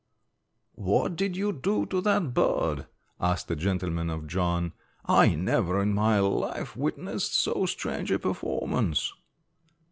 "What did you do to that bird?" asked a gentleman of John; "I never in my life witnessed so strange a performance."